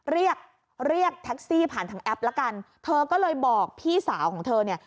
เรียกเรียกแท็กซี่ผ่านทางแอปละกันเธอก็เลยบอกพี่สาวของเธอเนี่ย